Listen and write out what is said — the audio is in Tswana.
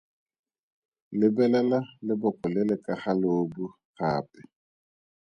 Lebelela leboko le le ka ga leobu gape.